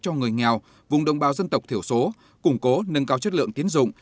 cho người nghèo vùng đồng bào dân tộc thiểu số củng cố nâng cao chất lượng tiến dụng